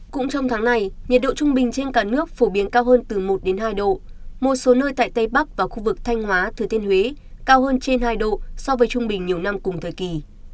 cũng trong tháng này nhiệt độ trung bình trên cả nước phổ biến cao hơn từ một hai độ một số nơi tại tây bắc và khu vực thanh hóa thừa thiên huế cao hơn trên hai độ so với trung bình nhiều năm cùng thời kỳ